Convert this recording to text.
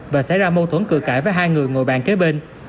và xảy ra mâu thuẫn cự cãi với hai người ngồi bàn kế bên